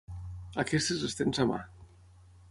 Aquestes les tens a mà.